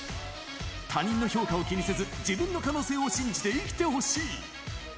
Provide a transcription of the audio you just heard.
他人の評価を気にせず、自分の可能性を信じて生きてほしい。